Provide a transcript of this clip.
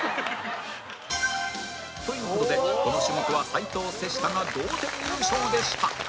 という事でこの種目は斉藤瀬下が同点優勝でした